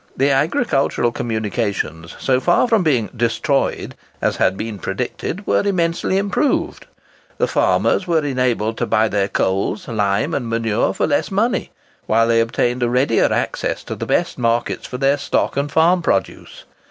The agricultural communications, so far from being "destroyed," as had been predicted, were immensely improved. The farmers were enabled to buy their coals, lime, and manure for less money, while they obtained a readier access to the best markets for their stock and farm produce.